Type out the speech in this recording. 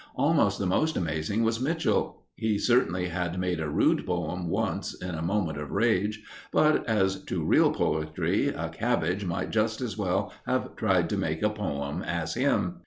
Almost the most amazing was Mitchell. He certainly had made a rude poem once in a moment of rage, but as to real poetry, a cabbage might just as well have tried to make a poem as him.